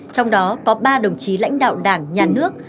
trong đó có ba đồng chí lãnh đạo đảng nhà nước